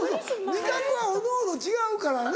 味覚はおのおの違うからな。